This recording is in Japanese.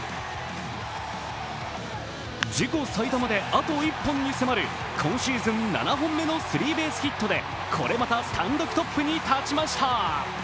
自己最多まであと１本に迫る今シーズン７本目のスリーベースヒットでこれまた単独トップに立ちました。